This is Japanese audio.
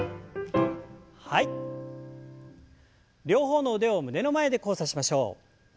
両方の腕を胸の前で交差しましょう。